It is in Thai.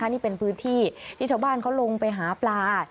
นี่เป็นพื้นที่ที่ชาวบ้านเขาลงไปหาปลา